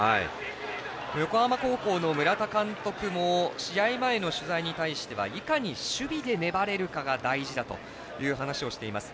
横浜高校の村田監督も試合前の取材に対してはいかに守備で粘れるかが大事だという話をしています。